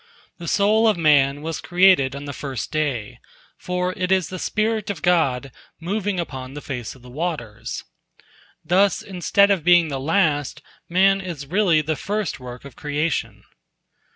The soul of man was created on the first day, for it is the spirit of God moving upon the face of the waters. Thus, instead of being the last, man is really the first work of creation.